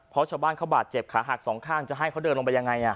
เพราะชาวบ้านเขาบาดเจ็บขาหักสองข้างจะให้เขาเดินลงไปยังไง